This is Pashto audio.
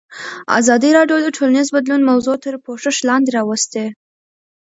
ازادي راډیو د ټولنیز بدلون موضوع تر پوښښ لاندې راوستې.